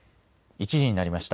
１時になりました。